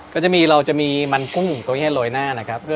ก็จะมีเราจะมีมันกุ้งตัวเฮ้โรยหน้านะครับ